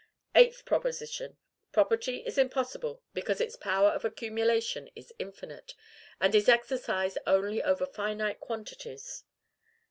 EIGHTH PROPOSITION. Property is impossible, because its power of Accumulation is infinite, and is exercised only over finite quantities.